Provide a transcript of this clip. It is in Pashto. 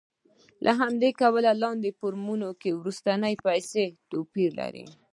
له همدې کبله په لاندې فورمول کې وروستۍ پیسې توپیر لري